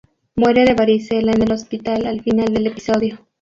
Muere de varicela en el hospital al final del episodio.